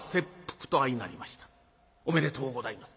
おめでとうございます。